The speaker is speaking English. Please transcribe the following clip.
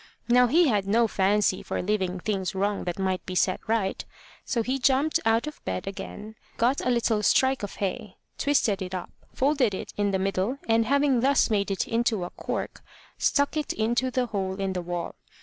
Now he had no fancy for leaving things wrong that might be set right; so he jumped out of bed again, got a little strike of hay, twisted it up, folded it in the middle, and, having thus made it into a cork, stuck it into the hole in the wall.